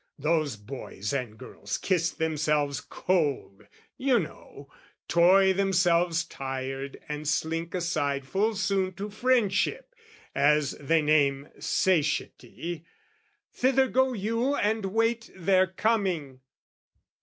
"Those boys and girls kiss themselves cold, you know. "Toy themselves tired and slink aside full soon "To friendship, as they name satiety; "Thither go you and wait their coming!"